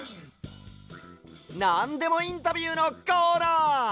なんでもインタビューのコーナー！